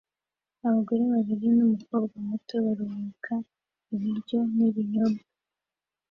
Abagore babiri n'umukobwa muto baruhuka ibiryo n'ibinyobwa